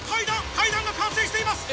階段が完成しています。